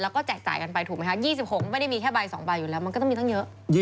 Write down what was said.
แล้วก็แจกจ่ายกันไปถูกไหมคะ๒๖ไม่ได้มีแค่ใบ๒ใบอยู่แล้วมันก็ต้องมีตั้งเยอะ